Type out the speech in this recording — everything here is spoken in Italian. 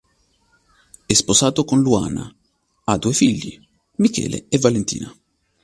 È sposato con Luana, ha due figli, Michele e Valentina.